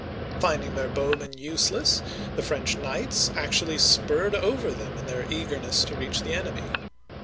Finding their bowmen useless, the French knights ac tually spurred over them in their eagerness to reach the enemy.